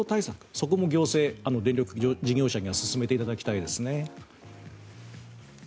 そこも行政、電力事業者には進めていただきたいですね。